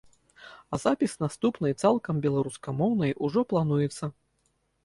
А запіс наступнай, цалкам беларускамоўнай, ужо плануецца.